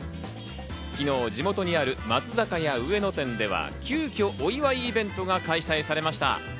昨日、地元にある松坂屋上野店では急きょお祝いイベントが開催されました。